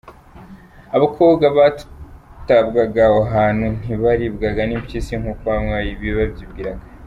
Abakobwa batabwaga aho hantu ntibaribwaga n’impyisi nk’uko bamwe babyibwira.